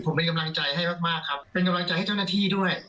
ผมเป็นกำลังใจให้มากมากครับเป็นกำลังใจให้เจ้าหน้าที่ด้วย